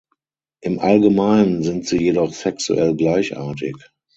Im Allgemeinen sind sie jedoch sexuell gleichartig.